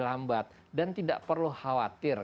lambat dan tidak perlu khawatir